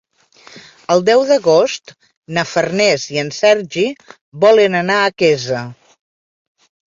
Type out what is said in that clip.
El deu d'agost na Farners i en Sergi volen anar a Quesa.